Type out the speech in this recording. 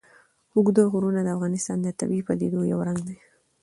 اوږده غرونه د افغانستان د طبیعي پدیدو یو رنګ دی.